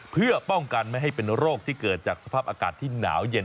เพื่อป้องกันไม่ให้เป็นโรคที่เกิดจากสภาพอากาศที่หนาวเย็น